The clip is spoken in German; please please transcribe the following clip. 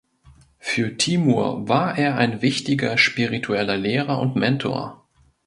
Für Timur war er ein wichtiger spiritueller Lehrer und Mentor.